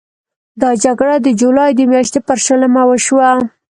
دا جګړه د جولای د میاشتې پر شلمه وشوه.